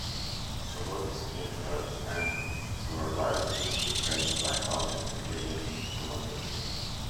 The lodges came first and were largely replaced by houses with living accommodations.